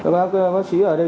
bác sĩ ở đây